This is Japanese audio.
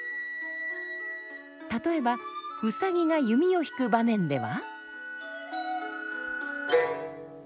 例えば兎が弓を引く場面では。